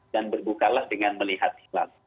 dan berbukalah dengan melihat hilal